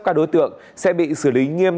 các đối tượng sẽ bị xử lý nghiêm